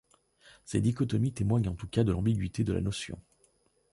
Ces dichotomies témoignent en tout cas de l’ambiguïté de la notion.